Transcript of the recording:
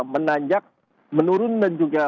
menanjak menurun dan juga